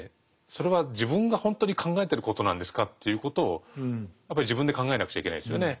それは自分がほんとに考えてることなんですか？ということをやっぱり自分で考えなくちゃいけないですよね。